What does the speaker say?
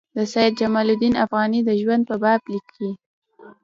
د سید جمال الدین افغاني د ژوند په باب لیکي.